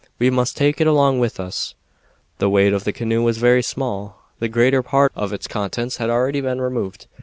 We must take it along with us." The weight of the canoe was very small. The greater part of its contents had already been removed.